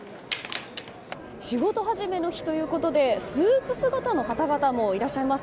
仕事始めの日ということでスーツ姿の方々もいらっしゃいます。